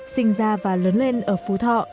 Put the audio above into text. sinh ra và lớn lên ở phú thọ